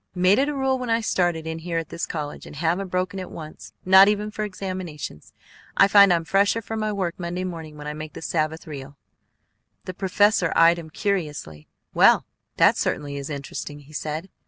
"Made it a rule when I started in here at this college, and haven't broken it once, not even for examinations. I find I'm fresher for my work Monday morning when I make the Sabbath real." The professor eyed him curiously. "Well, that certainly is interesting," he said.